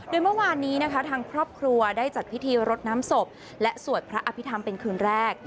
โดยเมื่อวานนี้นะคะทางครอบครัวได้จัดพิธีรดน้ำศพและสวดพระอภิษฐรรมเป็นคืนแรก